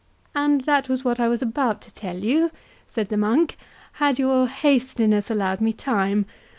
"And that was what I was about to tell you," said the monk, "had your hastiness allowed me time.